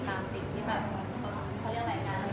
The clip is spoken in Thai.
ตามสิ่งที่แบบเขาเรียกว่าไหวนะ